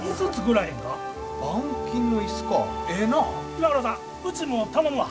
岩倉さんうちも頼むわ。